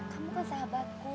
kamu kan sahabatku